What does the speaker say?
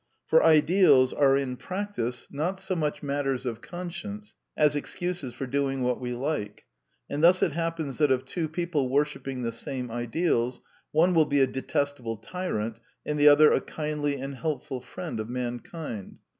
For ideals are in practice not so 146 The Quintessence of Ibsenism much matters of conscience as excuses for doing what we like; and thus it happens that of two people worshipping the same ideals, one will be a detestable tyrant and the other a kindly and helpful friend of mankind.